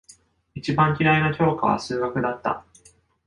一番嫌いな教科は数学だった。